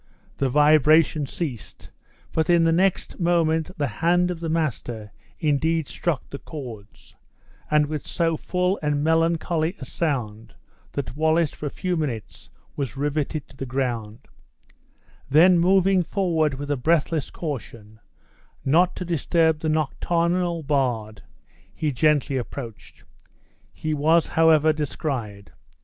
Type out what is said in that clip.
The vibration ceased, but, in the next moment the hand of the master indeed struck the chords, and with so full and melancholy a sound that Wallace for a few minutes was riveted to the ground; then moving forward with a breathless caution, not to disturb the nocturnal bard, he gently approached. He was, however, descried!